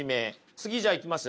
次じゃあいきます？